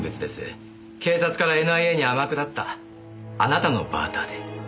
警察からＮＩＡに天下ったあなたのバーターで。